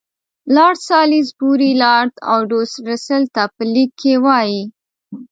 لارډ سالیزبوري لارډ اوډو رسل ته په لیک کې وایي.